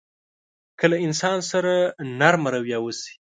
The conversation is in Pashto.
که له انسان سره نرمه رويه وشي.